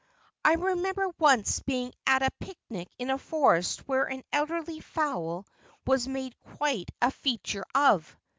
' I remember once being at a picnic in a forest where an elderly fowl was made quite a feature of.